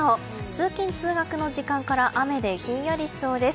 通勤・通学の時間から雨でひんやりしそうです。